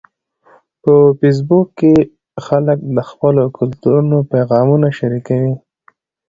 په فېسبوک کې خلک د خپلو کلتورونو پیغامونه شریکوي